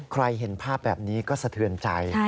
เห็นภาพแบบนี้ก็สะเทือนใจ